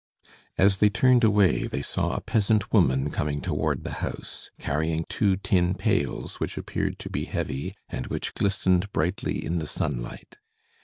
As they turned away, they saw a peasant woman coming toward the house, carrying two tin pails, which appeared to be heavy and which glistened brightly in the sunlight.